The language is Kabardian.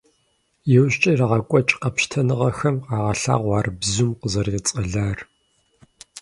Иужькӏэ ирагъэкӏуэкӏ къэпщытэныгъэхэм къагъэлъагъуэ ар бзум къызэрицӏэлар.